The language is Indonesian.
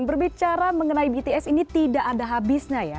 berbicara mengenai bts ini tidak ada habisnya ya